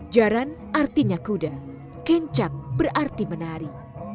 jaran artinya kuda kencak berarti menari